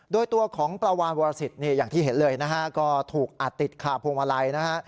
โดยตัวของปลาวานวรสิทธิ์อย่างที่เห็นเลยนะฮะก็ถูกอัดติดคาพวงมาลัยนะฮะ